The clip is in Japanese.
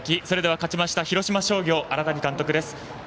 それでは勝ちました広島商業、荒谷監督です。